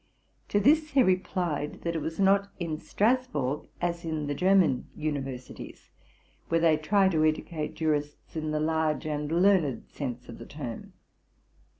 To this he replied, that it was not in Strasburg as in the German universities, where they try to educate jurists in the large and learned sense of the term.